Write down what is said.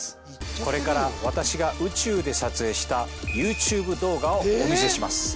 これから私が宇宙で撮影したＹｏｕＴｕｂｅ動画をお見せします